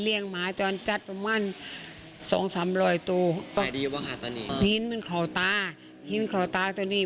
หิ้นมันเข้าตาหิ้นเข้าตาตอนนี้